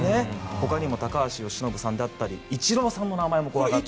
他にも高橋由伸さんだったりイチローさんの名前も挙がっている。